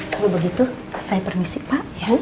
kalau begitu saya permisi pak